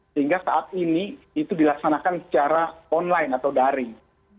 sehingga saat ini itu dilaksanakan secara online atau daring